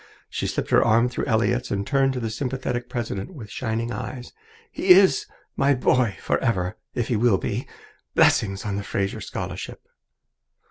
She slipped her arm through Elliott's and turned to the sympathetic president with shining eyes. "He is my boy forever, if he will be. Blessings on the Fraser Scholarship!"